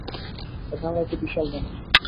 এই হলো একটা বিশাল দানব।